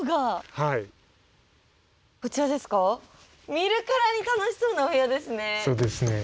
見るからに楽しそうなお部屋ですね。